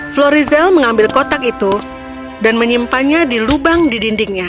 florizel mengambil kotak itu dan menyimpannya di lubang di dindingnya